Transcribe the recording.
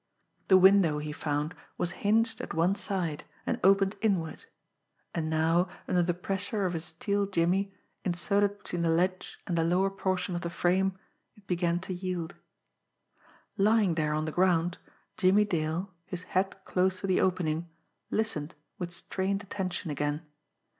The window, he found, was hinged at one side and opened inward; and now, under the pressure of his steel jimmy, inserted between the ledge and the lower portion of the frame, it began to yield. Lying there on the ground, Jimmie Dale, his head close to the opening, listened with strained attention again.